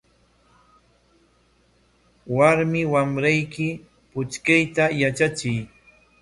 Warmi wamrayki puchkayta yatrachiy.